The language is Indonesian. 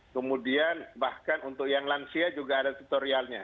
kemudian bahkan untuk yang lansia juga ada tutorialnya